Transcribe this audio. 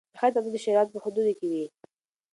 د ښځې اطاعت د شریعت په حدودو کې وي.